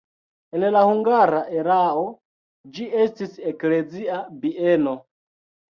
En la hungara erao ĝi estis eklezia bieno.